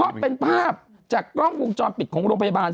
เพราะเป็นภาพจากกล้องกุงจอมปิดของโรงพยาบาล